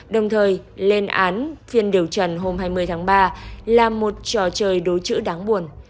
đồng thời lên án phiên điều trần hôm hai mươi tháng ba